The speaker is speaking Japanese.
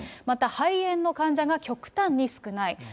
また肺炎の患者が極端に少ない。